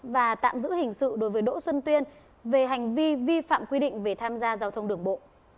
và tạm giữ hình sự đối với đỗ xuân tuyên về hành vi vi phạm quy định về tham gia giao thông đường bộ